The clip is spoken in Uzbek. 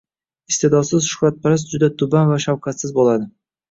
Iste’dodsiz shuhratparast juda tuban va shafqatsiz bo’ladi.